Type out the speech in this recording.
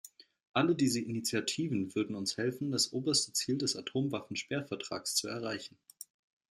Alle diese Initiativen würden uns helfen, das oberste Ziel des Atomwaffensperrvertrags zu erreichen.